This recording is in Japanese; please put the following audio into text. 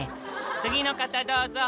「次の方どうぞ」